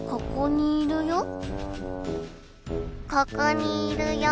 ここにいるよ。